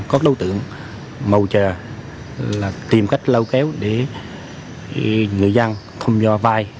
có đối tượng mầu chờ là tìm cách lau kéo để người dân không do vai